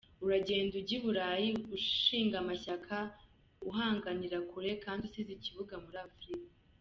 Uragenda ujya I Burayi ushinga amashyaka uhanganira kure, kandi usize ikibuga muri afurika !